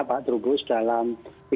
pak trubus dalam tiga belas empat belas